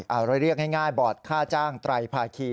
เอาเราเรียกง่ายบอร์ดค่าจ้างไตรภาคี